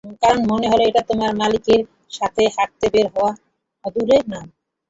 কারণ মনে হলো এটা তোমার মালিকের সাথে হাঁটতে বের হওয়ার আদুরে নাম।